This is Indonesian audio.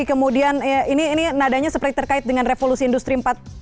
kemudian ini nadanya seperti terkait dengan revolusi industri empat